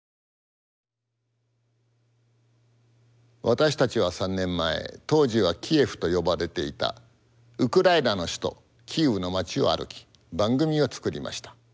私たちは３年前当時はキエフと呼ばれていたウクライナの首都キーウの街を歩き番組を作りました。